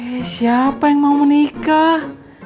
eh siapa yang mau menikah